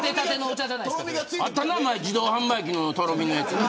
あったな前自動販売機のとろみのやつ。